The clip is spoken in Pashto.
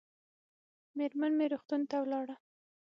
مېرمن مې روغتون ته ولاړه